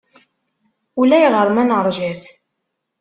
Ulayɣer ma neṛja-t.